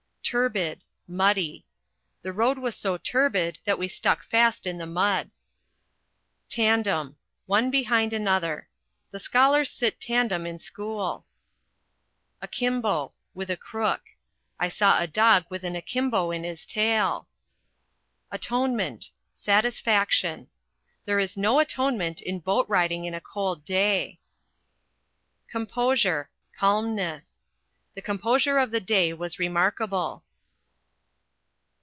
Turbid = Muddy: The road was so turbid that we stuck fast in the mud. Tandem = One behind another: The scholars sit tandem in school. Akimbo = With a crook: I saw a dog with an akimbo in his tail. Atonement = Satisfaction: There is no atonement in boat riding in a cold day. Composure = Calmness: The composure of the day was remarkable.